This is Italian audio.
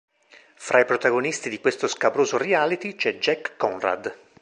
Fra i protagonisti di questo scabroso reality c'è Jack Conrad.